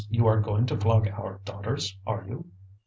You are going to flog our daughters, are you?"